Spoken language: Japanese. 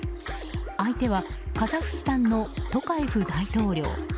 相手はカザフスタンのトカエフ大統領。